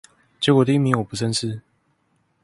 結果第一名我不認識